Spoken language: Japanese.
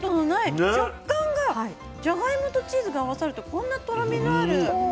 食感がじゃがいもとチーズが合わさるとこんなとろみのある。